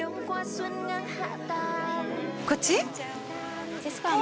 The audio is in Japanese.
こっち？